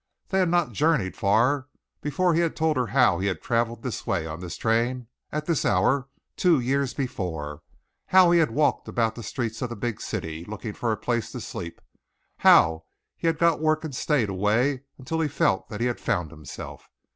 They had not journeyed far before he had told her how he had traveled this way, on this train, at this hour, two years before; how he had walked about the streets of the big city, looking for a place to sleep, how he had got work and stayed away until he felt that he had found himself.